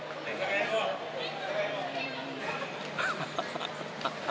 ハハハハ。